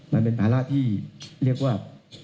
มันเป็นภาระที่เรียกว่า